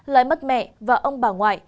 lại mất mẹ và ông bà ngoại